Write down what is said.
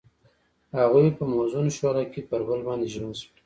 هغوی په موزون شعله کې پر بل باندې ژمن شول.